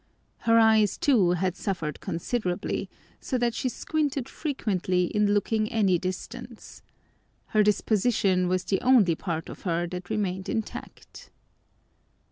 Her eyes, too, had suffered considerably, so that she squinted frequently in looking any distance. Her disposition was the only part of her that remained intact.